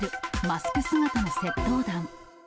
マスク姿の窃盗団。